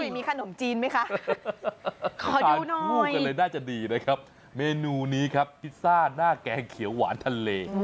มีขนมจีนไหมคะขอดูคู่กันเลยน่าจะดีนะครับเมนูนี้ครับพิซซ่าหน้าแกงเขียวหวานทะเล